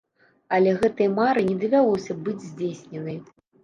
Але гэтай мары не давялося быць здзейсненай.